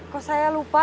kok saya lupa ya